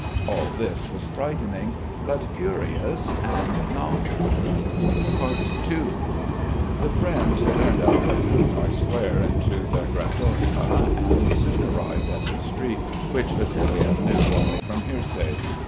All this was frightening, but curious and novel. II The friends turned out of Trubnoi Square into the Grachovka and soon arrived at the street which Vassiliev knew only from hearsay.